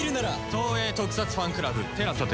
東映特撮ファンクラブＴＥＬＡＳＡで。